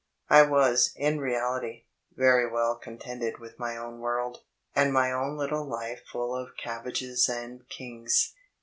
I was, in reality, very well contented with my own world, and my own linle life full of cabbages and kings.